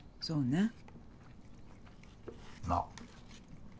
そうね。